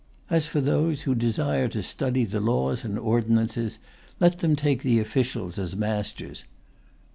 As for those who desire to study the laws and ordinances, let them take the officials as masters.